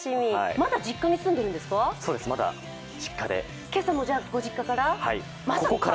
まだ実家に住んでるんですはい、実家から。